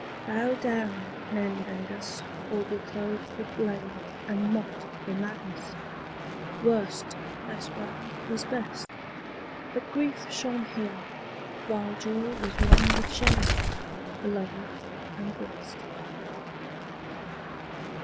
Bow down men bade us, or be clothed with blame And mocked for madness: worst, they sware, was best: But grief shone here, while joy was one with shame, Beloved and blest.